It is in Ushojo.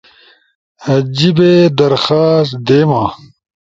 جیِبی درخواست دیما